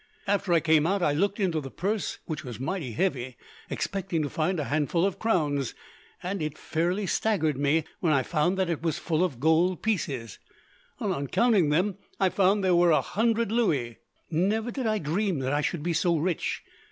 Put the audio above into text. After I came out, I looked into the purse, which was mighty heavy, expecting to find a handful of crowns; and it fairly staggered me when I found that it was full of gold pieces, and on counting them, found that there were a hundred louis. Never did I dream that I should be so rich.